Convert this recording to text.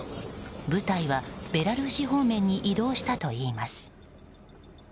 部隊はベラルーシ方面に移動したといいます。